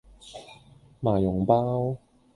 麻蓉包